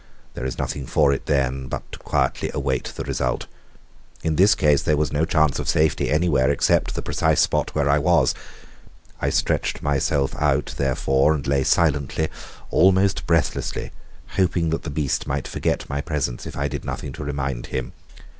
There is nothing for it then but to quietly await the result. In this case, there was no chance of safety anywhere except the precise spot where I was. I stretched myself out, therefore, and lay silently, almost breathlessly, hoping that the beast might forget my presence if I did nothing to remind him.